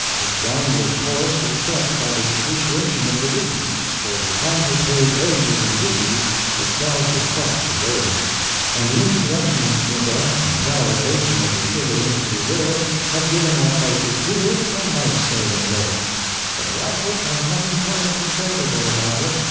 Its downward course was checked by the depreciation of the rupee for the planter pays wages in rupees but sells his crop for gold and the insurrection in Cuba and paralyzation of the sugar industry there have given our prices here a life saving lift; but the outlook has nothing permanently favorable about it.